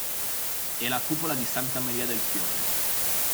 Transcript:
E la cupola di Santa Maria del Fiore.